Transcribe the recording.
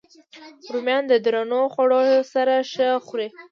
رومیان د درنو خوړو سره ښه خوري